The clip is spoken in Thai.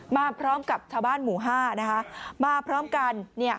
มาพร้อมกับชาวบ้านหมู่ห้านะคะมาพร้อมกันเนี่ย